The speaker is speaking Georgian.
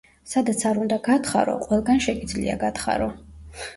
სადაც არ უნდა გათხარო, ყველგან შეგიძლია გათხარო.